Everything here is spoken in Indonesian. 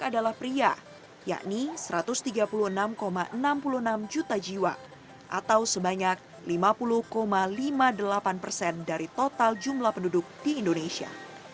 adalah pria yakni satu ratus tiga puluh enam enam puluh enam juta jiwa atau sebanyak lima puluh lima puluh delapan persen dari total jumlah penduduk di indonesia